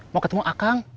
mau ketemu akang